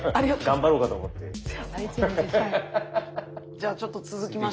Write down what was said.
じゃあちょっと続きまして。